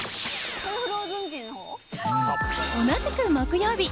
同じく木曜日。